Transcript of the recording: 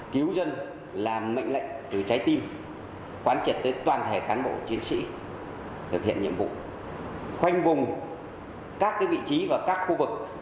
cứu dân làm mệnh lệnh từ trái tim quan trọng tới toàn thể cán bộ chiến sĩ thực hiện nhiệm vụ